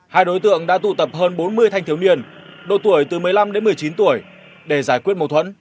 hai đối tượng đã tụ tập hơn bốn mươi thanh thiếu niên độ tuổi từ một mươi năm đến một mươi chín tuổi để giải quyết mâu thuẫn